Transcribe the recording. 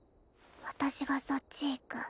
私がそっち行く。